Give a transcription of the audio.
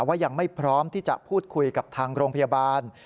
ว่ายังไม่พร้อมที่จะพูดคุยกับทางโรงพยาบาล